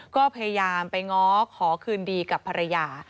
ก็พยายามไปง้อขอคืนดีกับภรรยา